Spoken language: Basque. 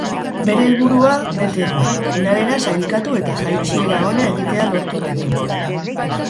Bere helburua bete du, finalera sailkatu eta jaitsiera ona egitea lortu baitu.